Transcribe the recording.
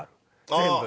全部。